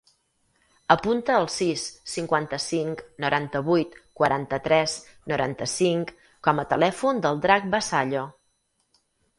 Apunta el sis, cinquanta-cinc, noranta-vuit, quaranta-tres, noranta-cinc com a telèfon del Drac Vasallo.